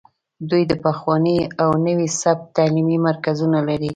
دوی د پخواني او نوي سبک تعلیمي مرکزونه لري